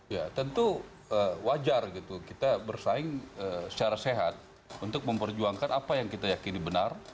ya tentu wajar gitu kita bersaing secara sehat untuk memperjuangkan apa yang kita yakini benar